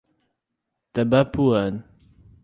Tabapuã